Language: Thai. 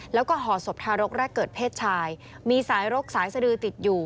แล้วก็ห่อศพทารกแรกเกิดเพศชายมีสายรกสายสดือติดอยู่